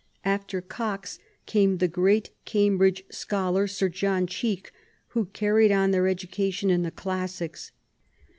After Cox came the great Cambridge scholar. Sir John Cheke, who carried on their education in the Classics.